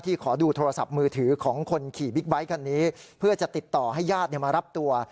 ถือของคนขี่บิ๊กไบท์คันนี้เพื่อจะติดต่อให้ญาติมารับตัว